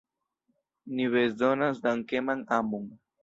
Ni bezonas dankeman amon!